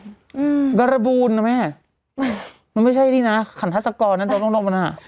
อืมการระบูนนะแม่มันไม่ใช่นี่น่ะขันทัศกรนั่นล่มล่มล่มน่ะ